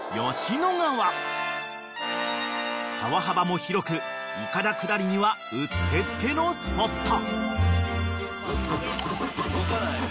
［川幅も広くいかだ下りにはうってつけのスポット］